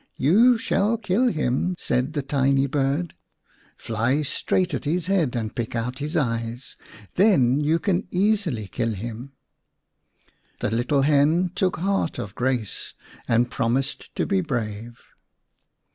" You shall kill him," said the tiny bird. " Fly straight at his head and pick out his eyes. Then you can easily kill him." The little hen took heart of grace and promised to be brave.